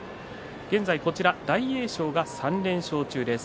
現在、大栄翔が３連勝中です。